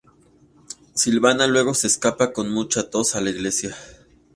Silvana luego se escapa con mucha tos a la iglesia.